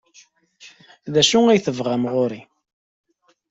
D acu ay tebɣamt ɣer-i?